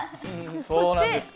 そうなんです。